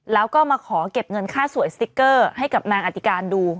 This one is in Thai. แล้วก็มาขอเก็บเงินค่าสวยสติ๊กเกอร์ให้กับนางอธิการดู